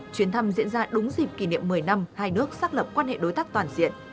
chuyến thăm diễn ra đúng dịp kỷ niệm một mươi năm hai nước xác lập quan hệ đối tác toàn diện